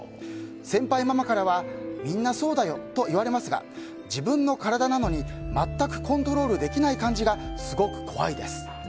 先輩ママからはみんなそうだよと言われますが自分の体なのに全くコントロールできない感じがすごく怖いです。